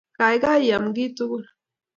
Kaikai iam ki tukul